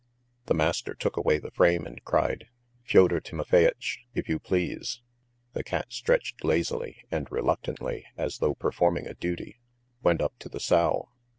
The master took away the frame and cried. "Fyodor Timofeyitch, if you please!" The cat stretched lazily, and reluctantly, as though performing a duty, went up to the sow.